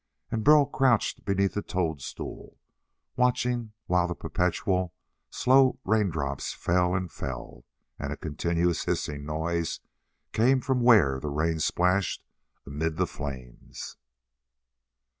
And Burl crouched beneath a toadstool, watching while the perpetual, slow raindrops fell and fell, and a continuous hissing noise came from where the rain splashed amid the flames.